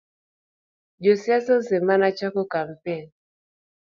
Josiasa osemana chako kampen